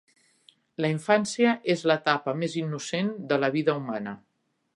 La infància és l'etapa més innocent de la vida humana.